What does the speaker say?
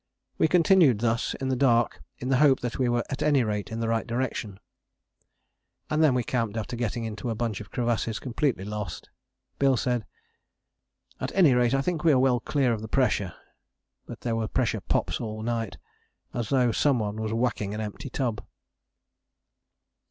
We continued thus in the dark in the hope that we were at any rate in the right direction." And then we camped after getting into a bunch of crevasses, completely lost. Bill said, "At any rate I think we are well clear of the pressure." But there were pressure pops all night, as though some one was whacking an empty tub.